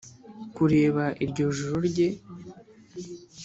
kureba iryo joro rye